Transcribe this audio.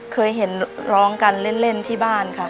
เคยเห็นร้องกันเล่นที่บ้านค่ะ